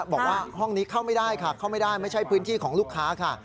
บอกว่าห้องนี้เข้าไม่ได้ค่ะเข้าไม่ได้ไม่ใช่พื้นที่ของลูกค้าค่ะ